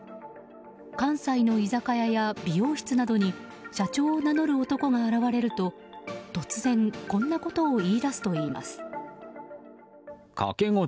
関西の居酒屋や美容室などに社長を名乗る男が現れると突然、こんなことを言い出すといいます。